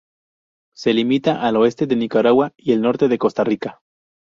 Se limita al oeste de Nicaragua y el norte de Costa Rica.